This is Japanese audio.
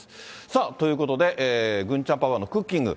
さあ、ということで、郡ちゃんパパのクッキング。